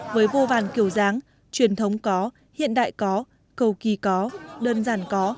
với vô vàn kiểu dáng truyền thống có hiện đại có cầu kỳ có đơn giản có